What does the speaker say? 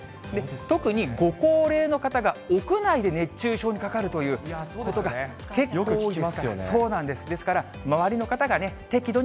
特にご高齢の方が屋内で熱中症にかかるということが、結構聞きま